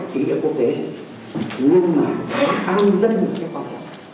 đảng kỹ ở quốc tế nhưng mà an dân là cái quan trọng